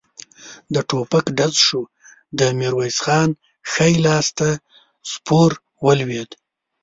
د ټوپک ډز شو، د ميرويس خان ښی لاس ته سپور ولوېد.